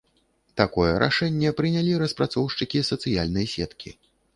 Такое рашэнне прынялі распрацоўшчыкі сацыяльнай сеткі.